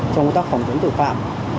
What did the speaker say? trong tác phòng tấn tội phạm